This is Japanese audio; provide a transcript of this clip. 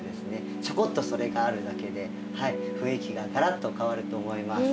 ちょこっとそれがあるだけで雰囲気がガラッと変わると思います。